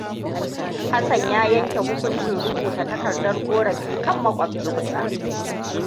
Hassan ya yanke hukuncin rubuta takardar ƙorafi kan maƙwabcinsa.